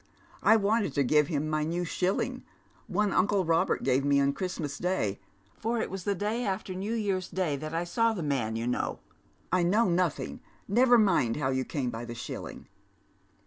I wanted to give him my new Bliilling, one nncle Robert gave me on Christinas Day, for it was the day after New Year's Day that I saw the man, you know "" I know nothing. Never mind how you came by the shilling.